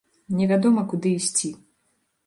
Не вядома, куды ісці.